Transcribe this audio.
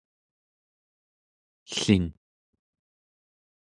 ellin